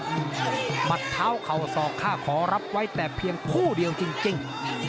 มัดเท้าเข่าศอกค่ะขอรับไว้แต่เพียงผู้เดียวจริง